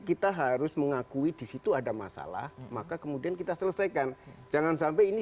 kita harus mengakui disitu ada masalah maka kemudian kita selesaikan jangan sampai ini